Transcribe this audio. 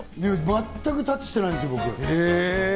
全くタッチしてないんです、僕。